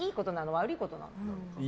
悪いことなの？